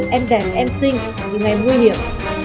em đẹp em xinh nhưng em nguy hiểm